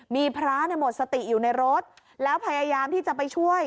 มีพระหมดสติอยู่ในรถแล้วพยายามที่จะไปช่วย